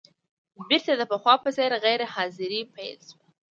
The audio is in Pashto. بېرته د پخوا په څېر غیر حاضري پیل شوه.